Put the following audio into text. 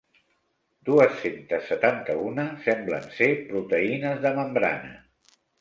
Dues-cents setanta-una semblen ser proteïnes de membrana.